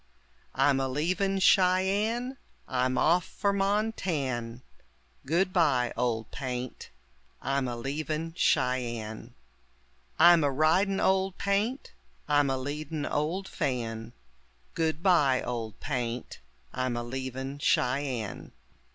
I'm a leavin' Cheyenne, I'm off for Montan'; Goodbye, Old Paint, I'm a leavin' Cheyenne. I'm a ridin' Old Paint, I'm a leadin' old Fan; Goodbye, Old Paint, I'm a leavin' Cheyenne.